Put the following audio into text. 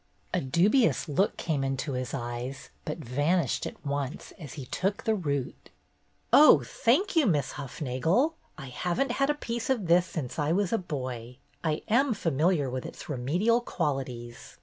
A dubious look came into his eyes, but van ished at once as he took the root. "Oh, thank you. Miss Hufnagel. I have n't had a piece of this since I was a boy. I am familiar with its remedial qualities.